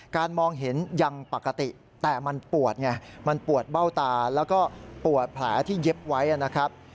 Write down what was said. มองเห็นยังปกติแต่มันปวดไงมันปวดเบ้าตาแล้วก็ปวดแผลที่เย็บไว้นะครับ